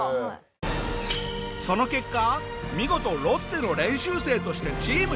その結果見事ロッテの練習生としてチームに加入。